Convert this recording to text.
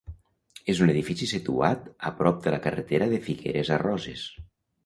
És un edifici situat a prop de la carretera de Figueres a Roses.